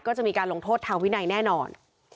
ก็จะมีการลงโทษทางวินัยแน่นอน